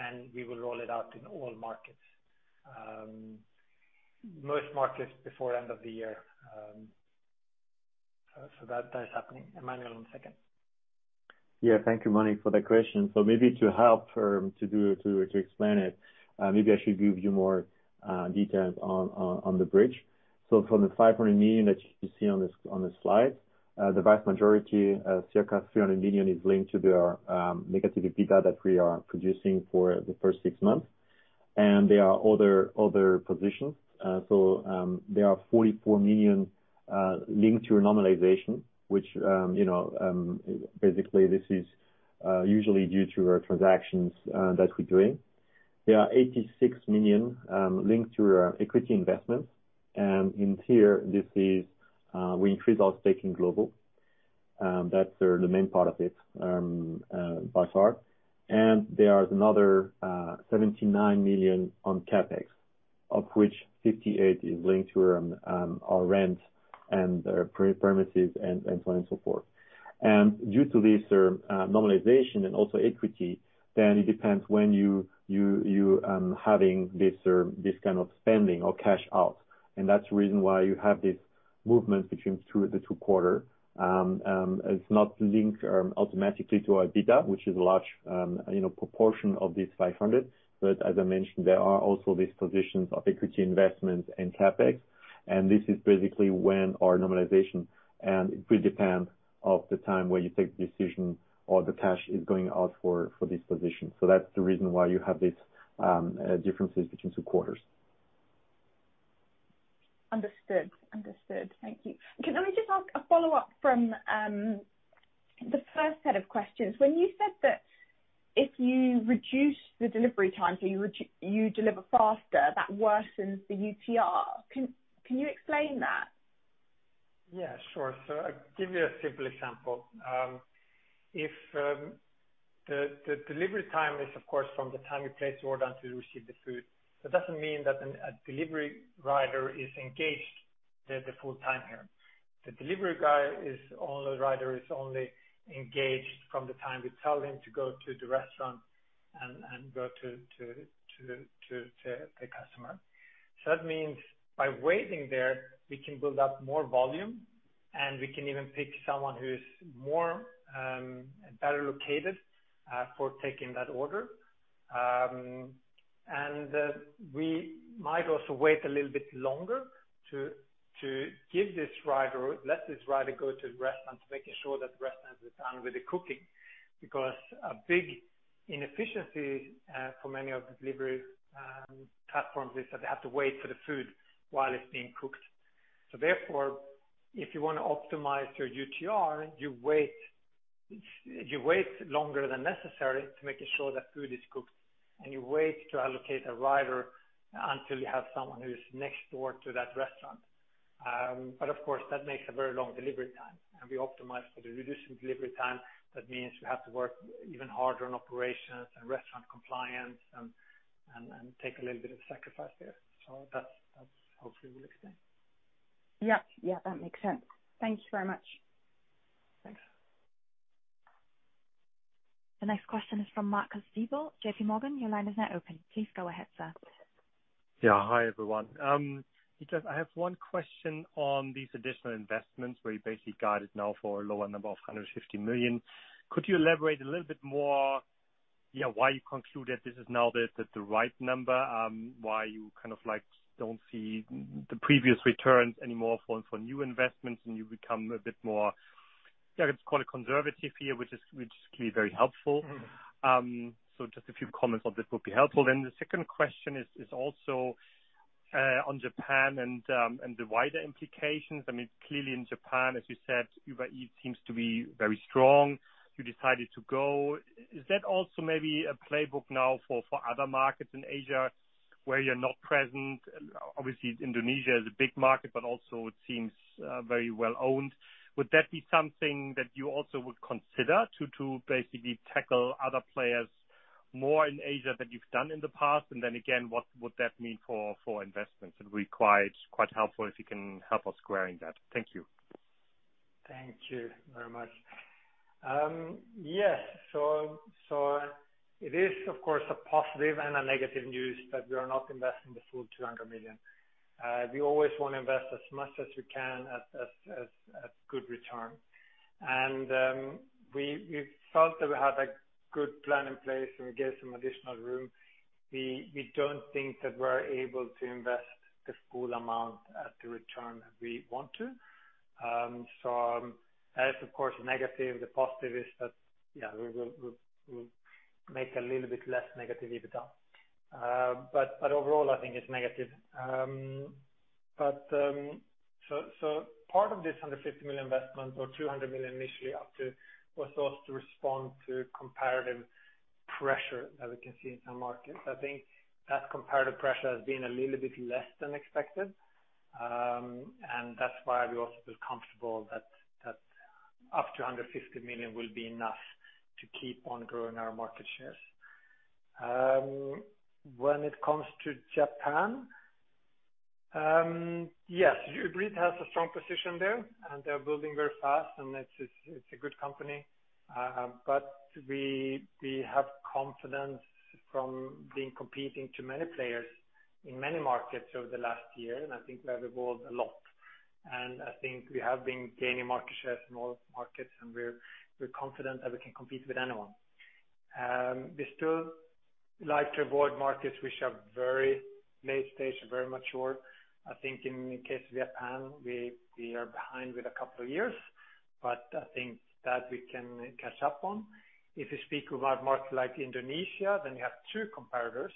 B: and we will roll it out in all markets. Most markets before end of the year. That is happening. Emmanuel on second.
C: Thank you, Monique, for that question. Maybe to help to explain it, maybe I should give you more details on the bridge. From the 500 million that you see on the slide, the vast majority, circa 300 million, is linked to the negative EBITDA that we are producing for the first six months. There are other positions. There are 44 million linked to a normalization, which basically this is usually due to our transactions that we are doing. There are 86 million linked to our equity investments, and in here, we increased our stake in Glovo. That's the main part of it by far. There is another 79 million on CapEx, of which 58 million is linked to our rent and our premises and so on and so forth. Due to this normalization and also equity, then it depends when you having this kind of spending or cash out. That's the reason why you have this movement between the two quarter. It's not linked automatically to our EBITDA, which is a large proportion of this 500. As I mentioned, there are also these positions of equity investments and CapEx, and this is basically when our normalization, and it will depend of the time where you take the decision or the cash is going out for this position. That's the reason why you have these differences between two quarters.
F: Understood. Thank you. Can I just ask a follow-up from the first set of questions? When you said that if you reduce the delivery time, so you deliver faster, that worsens the UTR. Can you explain that?
B: Yeah, sure. I'll give you a simple example. If the delivery time is, of course, from the time you place the order until you receive the food. That doesn't mean that a delivery rider is engaged the full time here. The delivery guy or rider is only engaged from the time we tell him to go to the restaurant and go to the customer. That means by waiting there, we can build up more volume, and we can even pick someone who's more better located for taking that order. We might also wait a little bit longer to give this rider or let this rider go to the restaurant, making sure that the restaurant is done with the cooking, because a big inefficiency for many of the delivery platforms is that they have to wait for the food while it's being cooked. Therefore, if you want to optimize your UTR, you wait longer than necessary to making sure that food is cooked, and you wait to allocate a rider until you have someone who's next door to that restaurant. Of course, that makes a very long delivery time, and we optimize for the reduction delivery time. That means we have to work even harder on operations and restaurant compliance and take a little bit of sacrifice there. That hopefully will explain.
F: Yeah. That makes sense. Thank you very much.
B: Thanks.
D: The next question is from Marcus Diebel, JPMorgan. Your line is now open. Please go ahead, sir.
G: Yeah. Hi, everyone. Niklas, I have one question on these additional investments where you basically guide us now for a lower number of 150 million. Could you elaborate a little bit more why you conclude that this is now the right number? Why you kind of don't see the previous returns anymore for new investments and you become a bit more, let's call it conservative here, which is clearly very helpful. Just a few comments on this would be helpful. The second question is also on Japan and the wider implications. Clearly in Japan, as you said, Uber Eats seems to be very strong. You decided to go. Is that also maybe a playbook now for other markets in Asia where you're not present? Obviously Indonesia is a big market, but also it seems very well-owned. Would that be something that you also would consider to basically tackle other players more in Asia than you've done in the past? Again, what would that mean for investments? It'd be quite helpful if you can help us squaring that. Thank you.
B: Thank you very much. Yes. It is, of course, a positive and a negative news that we are not investing the full 200 million. We always want to invest as much as we can at good return. We felt that we had a good plan in place, and we gave some additional room. We don't think that we're able to invest the full amount at the return that we want to. That is, of course, negative. The positive is that, yeah, we'll make a little bit less negative EBITDA. Overall, I think it's negative. Part of this 150 million investment or 200 million initially up to, was also to respond to comparative pressure that we can see in some markets. I think that comparative pressure has been a little bit less than expected. That's why we also feel comfortable that up to 150 million will be enough to keep on growing our market shares. When it comes to Japan, yes, Uber Eats has a strong position there, and they're building very fast, and it's a good company. We have confidence from being competing to many players in many markets over the last year, I think we have evolved a lot. I think we have been gaining market shares in all markets, and we're confident that we can compete with anyone. We still like to avoid markets which are very-Late stage, very mature. I think in case Japan, we are behind with a couple of years, but I think that we can catch up on. If you speak about market like Indonesia, you have two competitors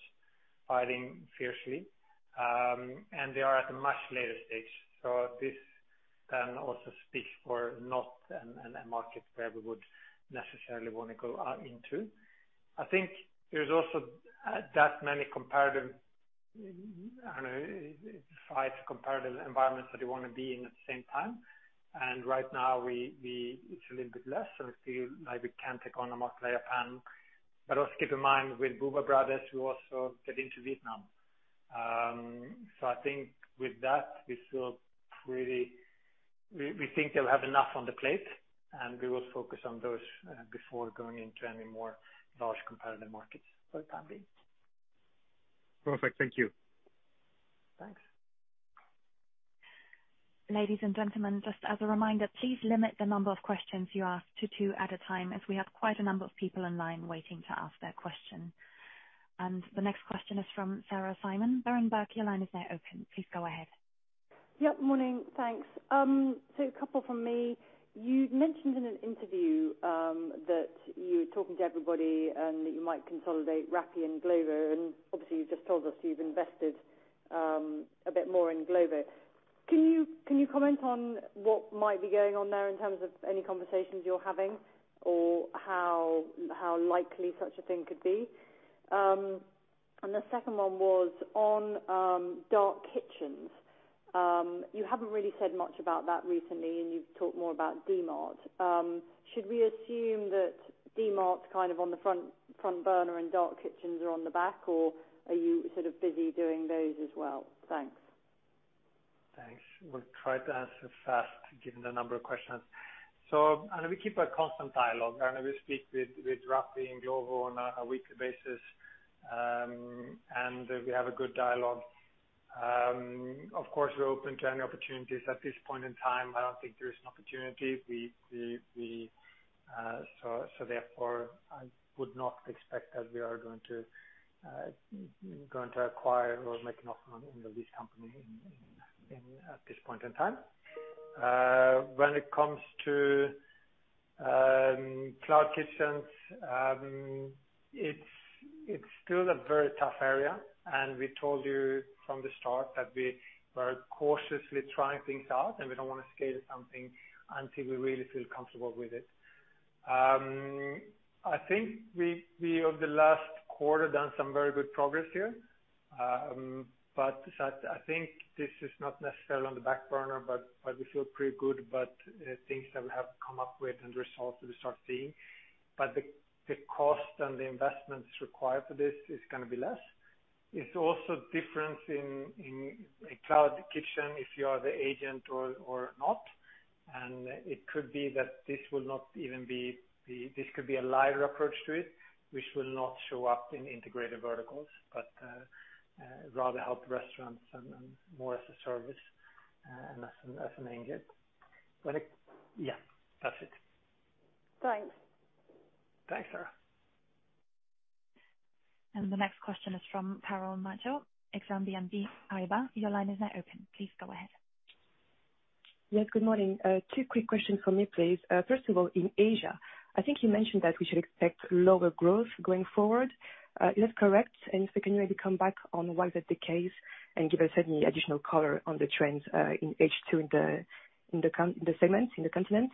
B: fighting fiercely, and they are at a much later stage. This can also speak for not a market where we would necessarily want to go into. I think there's also that many competitive fights, competitive environments that you want to be in at the same time. Right now, it's a little bit less, and I feel like we can take on a market like Japan. Also keep in mind with Woowa Brothers, we also get into Vietnam. I think with that, we think they'll have enough on the plate, and we will focus on those before going into any more large competitive markets for the time being.
G: Perfect. Thank you.
B: Thanks.
D: Ladies and gentlemen, just as a reminder, please limit the number of questions you ask to two at a time, as we have quite a number of people in line waiting to ask their question. The next question is from Sarah Simon, Berenberg your line is now open. Please go ahead.
H: Yep, morning. Thanks. A couple from me. You mentioned in an interview that you were talking to everybody and that you might consolidate Rappi and Glovo, and obviously you've just told us you've invested a bit more in Glovo. Can you comment on what might be going on there in terms of any conversations you're having or how likely such a thing could be? The second one was on dark kitchens. You haven't really said much about that recently, and you've talked more about Dmart. Should we assume that Dmart's kind of on the front burner and dark kitchens are on the back, or are you sort of busy doing those as well? Thanks.
B: Thanks. Will try to answer fast given the number of questions. We keep a constant dialogue, and we speak with Rappi and Glovo on a weekly basis. We have a good dialogue. Of course, we're open to any opportunities. At this point in time, I don't think there is an opportunity. Therefore, I would not expect that we are going to acquire or make an offer on either of these companies at this point in time. When it comes to cloud kitchens, it's still a very tough area, and we told you from the start that we are cautiously trying things out, and we don't want to scale something until we really feel comfortable with it. I think we, over the last quarter, done some very good progress here. I think this is not necessarily on the back burner, but we feel pretty good about things that we have come up with and results that we start seeing. The cost and the investments required for this is going to be less. It's also different in a cloud kitchen if you are the agent or not. It could be that this could be a lighter approach to it, which will not show up in Integrated Verticals, but rather help restaurants and more as a service and as an engine. Yeah, that's it.
H: Thanks.
B: Thanks, Sarah.
D: The next question is from Carole Madjo, Exane BNP Paribas. Your line is now open. Please go ahead.
I: Yes, good morning. Two quick questions from me, please. First of all, in Asia, I think you mentioned that we should expect lower growth going forward. Is that correct? If so, can you maybe come back on why that's the case and give us any additional color on the trends in H2 in the segment, in the continent?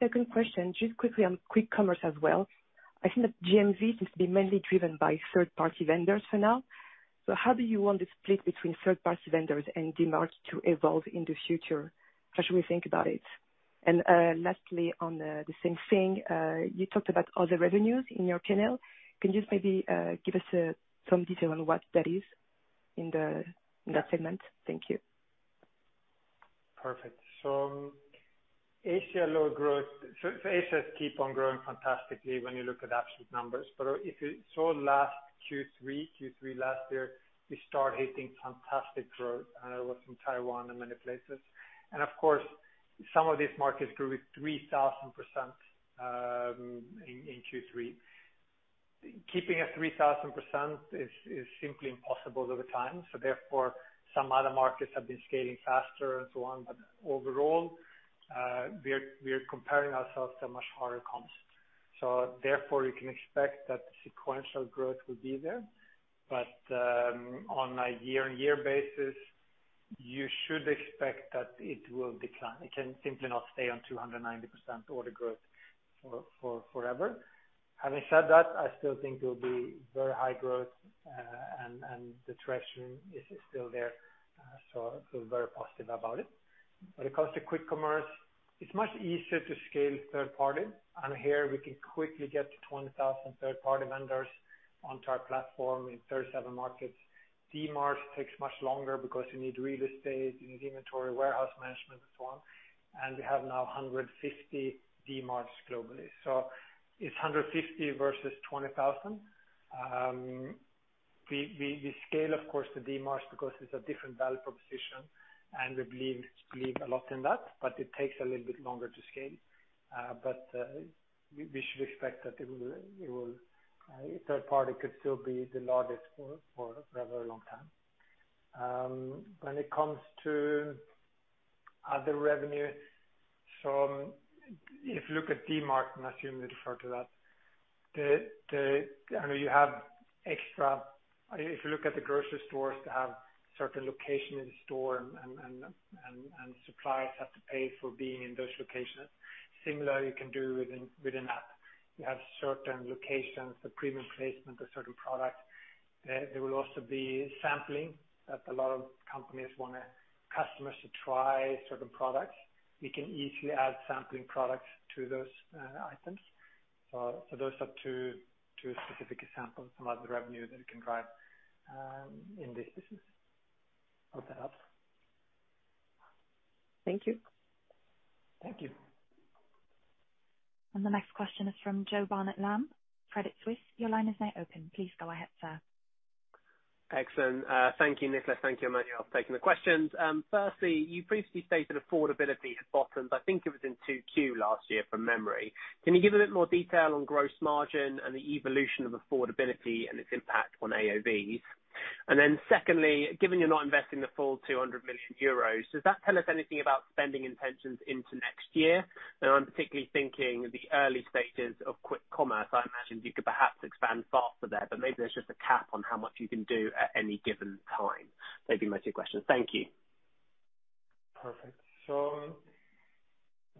I: Second question, just quickly on quick commerce as well. I think that GMV seems to be mainly driven by third-party vendors for now. How do you want the split between third-party vendors and DMART to evolve in the future? How should we think about it? Lastly on the same thing, you talked about other revenues in your channel. Can you just maybe give us some detail on what that is in that segment? Thank you.
B: Perfect. Asia keep on growing fantastically when you look at absolute numbers. If you saw last Q3 last year, we start hitting fantastic growth. It was in Taiwan and many places. Of course, some of these markets grew 3,000% in Q3. Keeping a 3,000% is simply impossible over time. Some other markets have been scaling faster and so on. Overall, we're comparing ourselves to much harder comps. You can expect that sequential growth will be there. On a year-on-year basis, you should expect that it will decline. It can simply not stay on 290% order growth forever. Having said that, I still think it will be very high growth and the traction is still there. Feel very positive about it. When it comes to quick commerce, it's much easier to scale third party. Here we can quickly get to 20,000 third-party vendors onto our platform in 37 markets. Dmart takes much longer because you need real estate, you need inventory, warehouse management and so on. We have now 150 Dmarts globally. It's 150 versus 20,000. We scale, of course, the Dmarts because it's a different value proposition, and we believe a lot in that, but it takes a little bit longer to scale. We should expect that third party could still be the largest for a very long time. When it comes to other revenue. If you look at Dmart, and I assume you refer to that, you have extra. If you look at the grocery stores, they have certain location in the store, and suppliers have to pay for being in those locations. Similarly, you can do with an app. You have certain locations for premium placement of certain products. There will also be sampling, that a lot of companies want customers to try certain products. We can easily add sampling products to those items. Those are two specific examples of other revenue that we can drive in this business. Hope that helps.
I: Thank you.
B: Thank you.
D: The next question is from Joe Barnet-Lamb, Credit Suisse, your line is now open. Please go ahead, sir.
J: Excellent. Thank you, Niklas. Thank you, Emmanuel, for taking the questions. Firstly, you previously stated affordability had bottomed, I think it was in 2Q last year, from memory. Can you give a bit more detail on gross margin and the evolution of affordability and its impact on AOV? Secondly, given you're not investing the full 200 million euros, does that tell us anything about spending intentions into next year? I'm particularly thinking the early stages of quick commerce. I imagine you could perhaps expand faster there, but maybe there's just a cap on how much you can do at any given time. They'd be my two questions. Thank you.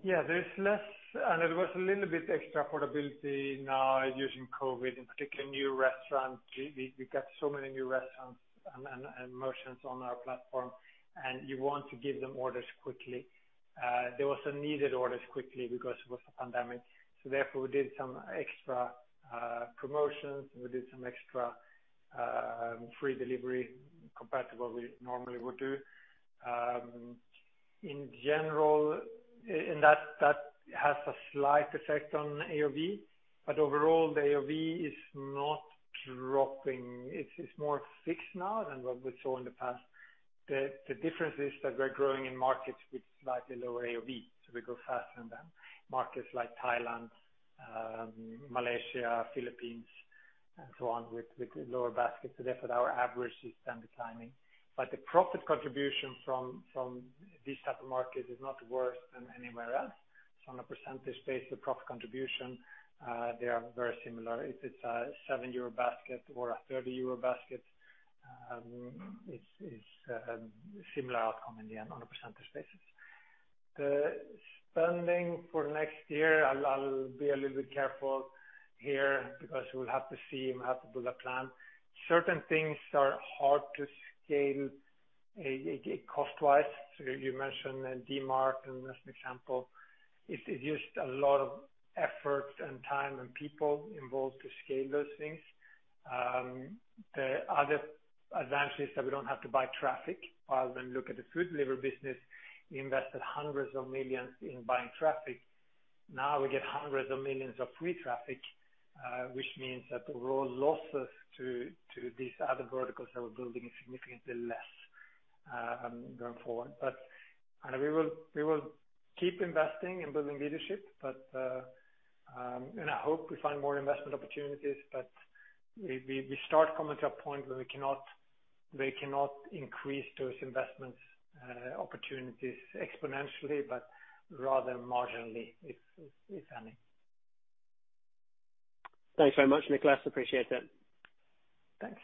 B: Yeah, there's less, and there was a little bit extra affordability now during COVID, in particular new restaurants. We got so many new restaurants and merchants on our platform, and you want to give them orders quickly. They also needed orders quickly because it was a pandemic. Therefore, we did some extra promotions, we did some extra free delivery compared to what we normally would do. In general, that has a slight effect on AOV. Overall, the AOV is not dropping. It's more fixed now than what we saw in the past. The difference is that we're growing in markets with slightly lower AOV, so we grow faster than markets like Thailand, Malaysia, Philippines and so on, with lower baskets. Therefore, our average is declining. The profit contribution from this type of market is not worse than anywhere else. On a percentage base, the profit contribution, they are very similar. If it's a 7 euro basket or a 30 euro basket, it's a similar outcome in the end on a percentage basis. The spending for next year, I'll be a little bit careful here because we'll have to see and we have to build a plan. Certain things are hard to scale cost-wise. You mentioned Dmart as an example. It's just a lot of effort and time and people involved to scale those things. The other advantage is that we don't have to buy traffic. While when you look at the food delivery business, we invested hundreds of millions in buying traffic. Now we get hundreds of millions of free traffic, which means that the raw losses to these other verticals that we're building is significantly less going forward. We will keep investing in building leadership. I hope we find more investment opportunities, but we start coming to a point where we cannot increase those investment opportunities exponentially, but rather marginally, if any.
J: Thanks very much, Niklas. Appreciate it.
B: Thanks.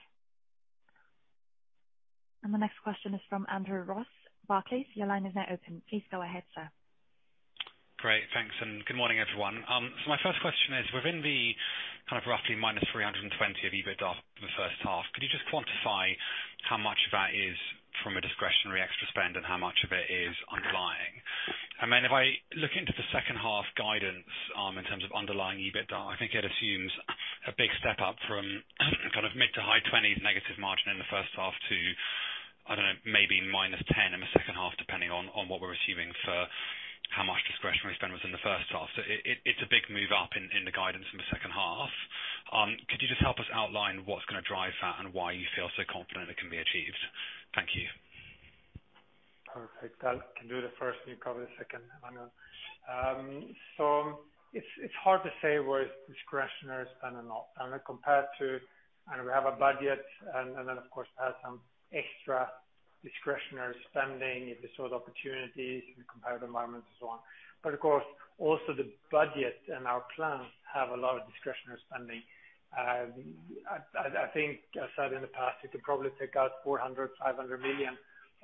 D: The next question is from Andrew Ross, Barclays. Your line is now open. Please go ahead, sir.
K: Great. Thanks, good morning, everyone. My first question is within the kind of roughly minus 320 of EBITDA for the first half, could you just quantify how much of that is from a discretionary extra spend and how much of it is underlying? If I look into the second half guidance, in terms of underlying EBITDA, I think it assumes a big step-up from kind of mid-20s to high-20s negative margin in the first half to, I don't know, maybe minus 10% in the second half, depending on what we're assuming for how much discretionary spend was in the first half. It's a big move up in the guidance in the second half. Could you just help us outline what's going to drive that and why you feel so confident it can be achieved? Thank you.
B: Perfect. I can do the first, and you cover the second, Emmanuel. It's hard to say where it's discretionary spend or not. Compared to when we have a budget and then of course have some extra discretionary spending if we saw the opportunities in competitive environments and so on. Of course, also the budget and our plans have a lot of discretionary spending. I think I said in the past, you could probably take out 400 million-500 million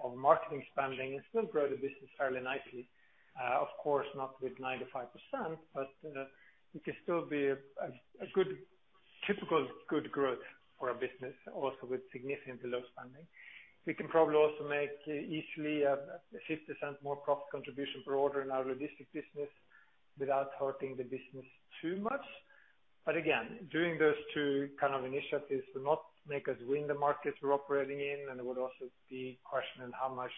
B: of marketing spending and still grow the business fairly nicely. Of course, not with 95%, but it can still be a typical good growth for a business also with significantly low spending. We can probably also make easily a 50% more profit contribution per order in our logistic business without hurting the business too much. Again, doing those two kind of initiatives will not make us win the markets we're operating in. It would also be questioning how much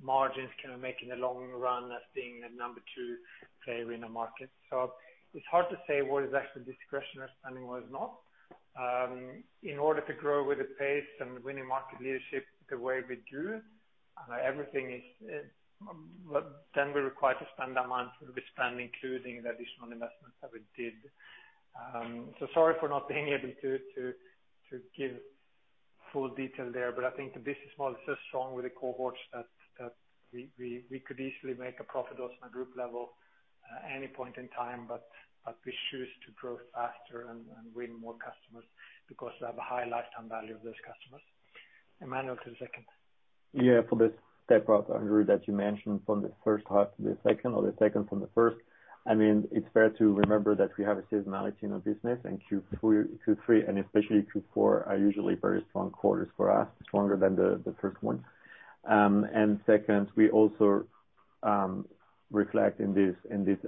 B: margins can we make in the long run as being a number two player in the market. It's hard to say what is actually discretionary spending, what is not. In order to grow with the pace and winning market leadership the way we do, we require to spend that money we've been spending, including the additional investments that we did. Sorry for not being able to give full detail there, I think the business model is so strong with the cohorts that we could easily make a profit also on a group level any point in time. We choose to grow faster and win more customers because they have a high lifetime value of those customers. Emmanuel to the second.
C: For this step up, Andrew, that you mentioned from the first half to the second or the second from the first, it's fair to remember that we have a seasonality in our business and Q3 and especially Q4 are usually very strong quarters for us, stronger than the first one. Second, we also reflect in this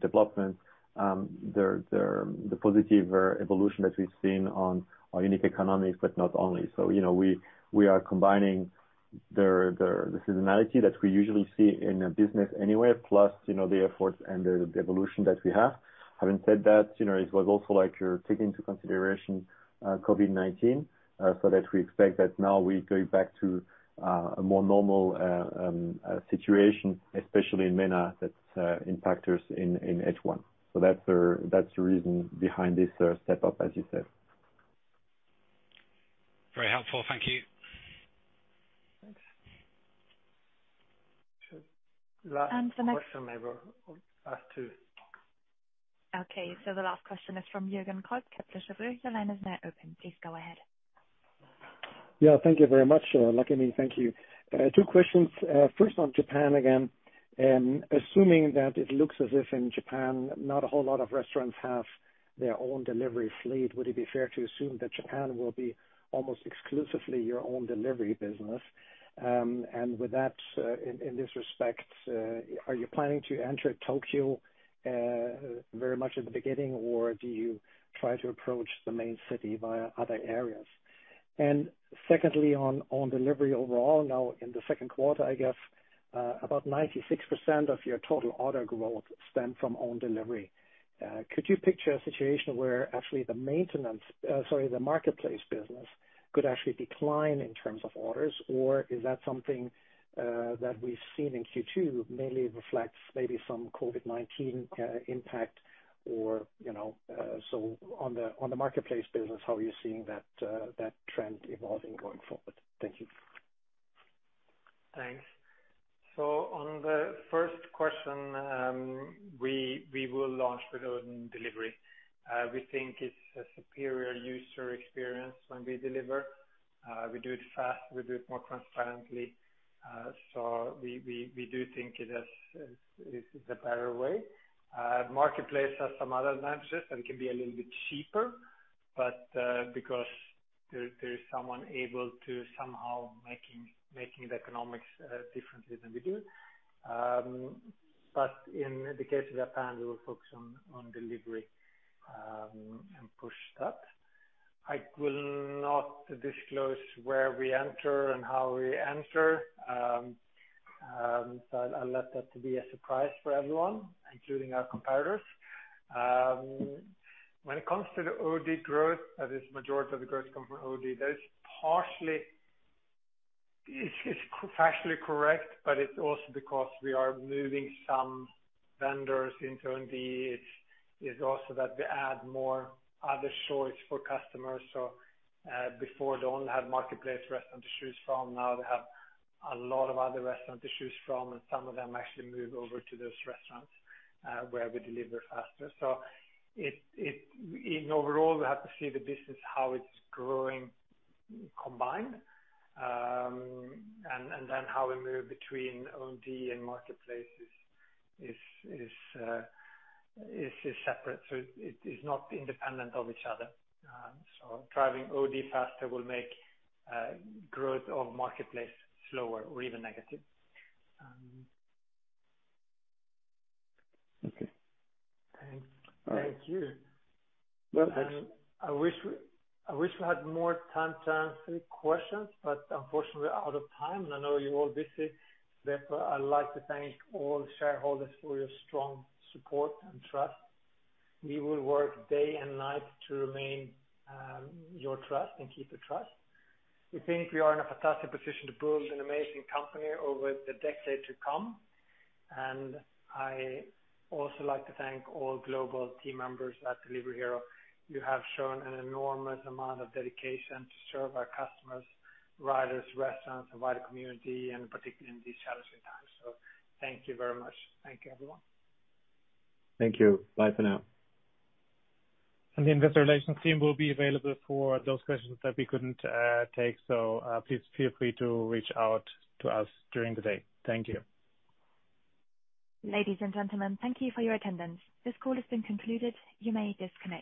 C: development the positive evolution that we've seen on our unit economics, but not only. We are combining the seasonality that we usually see in a business anyway, plus the efforts and the evolution that we have. Having said that, it was also like you're taking into consideration COVID-19, so that we expect that now we're going back to a more normal situation, especially in MENA, that impact us in H1. That's the reason behind this step up, as you said.
K: Very helpful. Thank you.
B: Thanks. Last question maybe, or last two.
D: Okay. The last question is from Juergen Kolb, Kepler Cheuvreux. Your line is now open. Please go ahead.
L: Yeah. Thank you very much. Like I mean, thank you. Two questions. First, on Japan again, assuming that it looks as if in Japan, not a whole lot of restaurants have their own delivery fleet, would it be fair to assume that Japan will be almost exclusively your own delivery business? With that, in this respect, are you planning to enter Tokyo very much at the beginning, or do you try to approach the main city via other areas? Secondly, on delivery overall now in the second quarter, I guess, about 96% of your total order growth stemmed from own delivery. Could you picture a situation where actually the marketplace business could actually decline in terms of orders? Is that something that we've seen in Q2 mainly reflects maybe some COVID-19 impact or so on the marketplace business, how are you seeing that trend evolving going forward? Thank you.
B: On the first question, we will launch with own delivery. We think it's a superior user experience when we deliver. We do it fast, we do it more transparently. We do think it is the better way. Marketplace has some other advantages and it can be a little bit cheaper, because there is someone able to somehow making the economics differently than we do. In the case of Japan, we will focus on delivery, and push that. I will not disclose where we enter and how we enter. I'll let that to be a surprise for everyone, including our competitors. When it comes to the OD growth, majority of the growth come from OD, that is partially correct, it's also because we are moving some vendors into OD. It's also that we add more other choice for customers. Before they only had marketplace restaurants to choose from, now they have a lot of other restaurants to choose from, and some of them actually move over to those restaurants, where we deliver faster. In overall, we have to see the business, how it's growing combined, and then how we move between OD and marketplace is separate. It is not independent of each other. Driving OD faster will make growth of marketplace slower or even negative.
L: Okay.
B: Thank you. I wish we had more time to answer the questions, but unfortunately, we're out of time, and I know you're all busy. I'd like to thank all shareholders for your strong support and trust. We will work day and night to remain your trust and keep the trust. We think we are in a fantastic position to build an amazing company over the decade to come. I also like to thank all global team members at Delivery Hero. You have shown an enormous amount of dedication to serve our customers, riders, restaurants, and wider community, and particularly in these challenging times. Thank you very much. Thank you, everyone.
C: Thank you. Bye for now.
A: The investor relations team will be available for those questions that we couldn't take. Please feel free to reach out to us during the day. Thank you.
D: Ladies and gentlemen, thank you for your attendance. This call has been concluded. You may disconnect.